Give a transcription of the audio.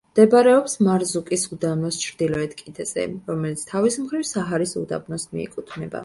მდებარეობს მარზუკის უდაბნოს ჩრდილოეთ კიდეზე, რომელიც თავის მხრივ საჰარის უდაბნოს მიეკუთვნება.